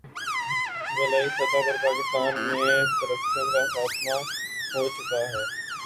بالائی سطح پر پاکستان میں کرپشن کا خاتمہ ہو چکا ہے